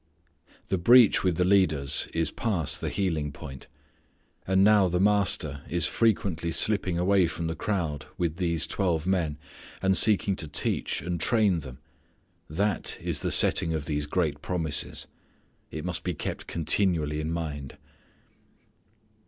The breach with the leaders is past the healing point. And now the Master is frequently slipping away from the crowd with these twelve men, and seeking to teach and train them. That is the setting of these great promises. It must be kept continually in mind.